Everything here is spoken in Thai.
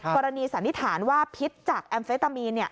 กรณีสันนิษฐานว่าพิษจากแอมเฟตามีน